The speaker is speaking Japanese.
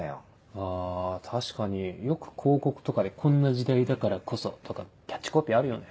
あ確かによく広告とかで「こんな時代だからこそ」とかのキャッチコピーあるよね。